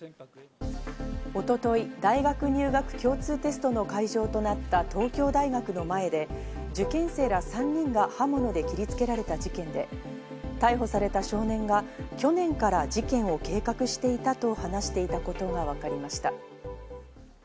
一昨日、大学入学共通テストの会場となった東京大学の前で受験生ら３人が刃物で切りつけられた事件で、逮捕された少年が、去年から事件を計画していたと話していることがわかりました。